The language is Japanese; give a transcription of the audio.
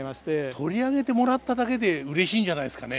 取り上げてもらっただけでうれしいんじゃないですかね